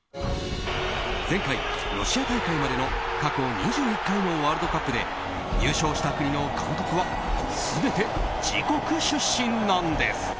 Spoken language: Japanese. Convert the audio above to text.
前回、ロシア大会までの過去２１回のワールドカップで優勝した国の監督は全て自国出身なんです。